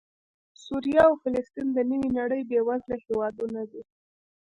سوریه او فلسطین د نوې نړۍ بېوزله هېوادونه دي